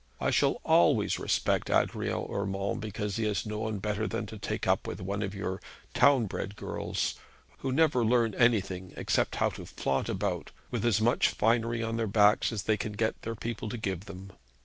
I shall always respect Adrian Urmand because he has known better than to take up with one of your town bred girls, who never learn anything except how to flaunt about with as much finery on their backs as they can get their people to give them.